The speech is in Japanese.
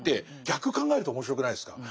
逆考えると面白くないですか？